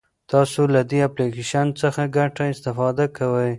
تاسو له دې اپلیکیشن څخه څنګه استفاده کوئ؟